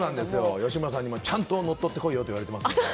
吉村さんにもちゃんと乗っとってこいよと言われています。